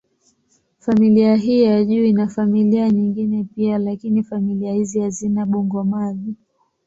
Familia hii ya juu ina familia nyingine pia, lakini familia hizi hazina bungo-mavi.